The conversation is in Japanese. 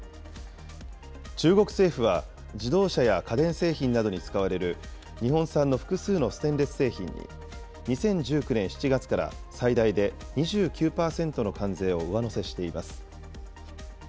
中国政府は、自動車や家電製品などに使われる、日本産の複数のステンレス製品に、２０１９年７月から最大で２９％の関税を上乗せしています。